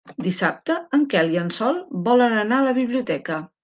Dissabte en Quel i en Sol volen anar a la biblioteca.